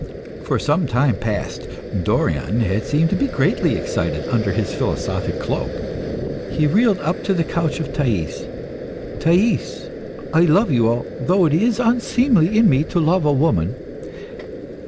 For some time past Dorion had seemed to be greatly excited under his philosophic cloak. He reeled up to the couch of Thais. "Thais, I love you, although it is unseemly in me to love a woman."